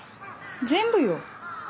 全部よ。